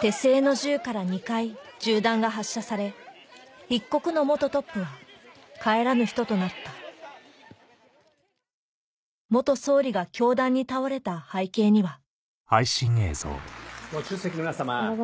手製の銃から２回銃弾が発射され一国の元トップは帰らぬ人となった総理が凶弾に倒れた背景にはご出席の皆さま。